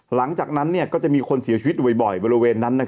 หลังจากนั้นก็จะมีคนเสียชีวิตบ่อยบริเวณนั้น